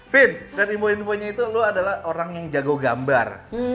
vin dan info info nya itu lo adalah orang yang jago gambar